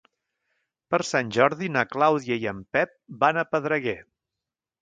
Per Sant Jordi na Clàudia i en Pep van a Pedreguer.